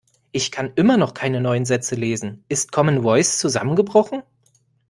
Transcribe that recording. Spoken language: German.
Ich kann immer noch keine neuen Sätze lesen. Ist Commen Voice zusammengebrochen?